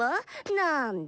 なんだ？